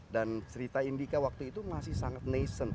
dan cerita indica waktu itu masih sangat nascent